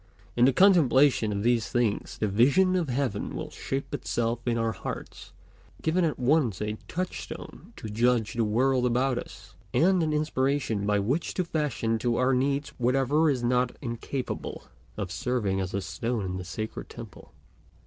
In the contemplation of these things the vision of heaven will shape itself in our hearts, giving at once a touchstone to judge the world about us, and an inspiration by which to fashion to our needs whatever is not incapable of serving as a stone in the sacred temple.